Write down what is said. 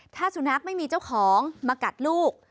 ถ้าสุนัขไม่มีเจ้าของมากัดลูก